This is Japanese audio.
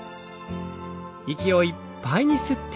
息をいっぱいに吸って。